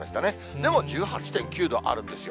でも１８．９度あるんですよ。